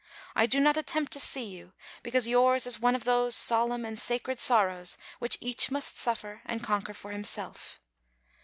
I do not attempt to see you, because yours is one of those solemn and sacred sorrows which each must suffer and conquer for himself.